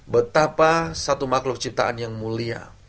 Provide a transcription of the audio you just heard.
betapa satu makhluk ciptaan yang mulia